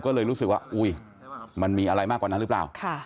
ก็เลยรู้สึกว่าอุ๊ยมันมีอะไรมากกว่านั้นหรือเปล่า